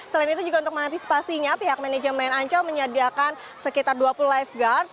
selain itu juga untuk mengantisipasinya pihak manajemen ancol menyediakan sekitar dua puluh lifeguard